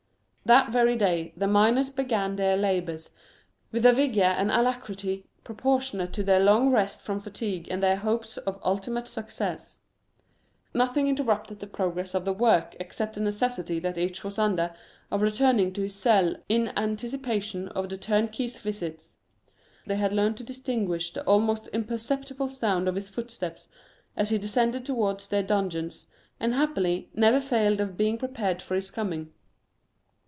That very day the miners began their labors, with a vigor and alacrity proportionate to their long rest from fatigue and their hopes of ultimate success. Nothing interrupted the progress of the work except the necessity that each was under of returning to his cell in anticipation of the turnkey's visits. They had learned to distinguish the almost imperceptible sound of his footsteps as he descended towards their dungeons, and happily, never failed of being prepared for his coming.